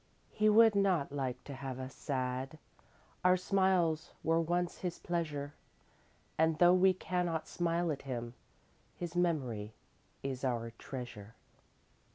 He would not like to have us sad, Our smiles were once his pleasure And though we cannot smile at him, His memory is our treasure.